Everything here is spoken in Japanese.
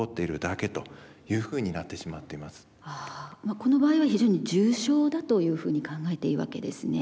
この場合は非常に重症だというふうに考えていいわけですね。